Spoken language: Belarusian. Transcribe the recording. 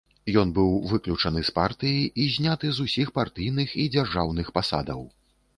Ён быў выключаны з партыі і зняты з усіх партыйных і дзяржаўных пасадаў.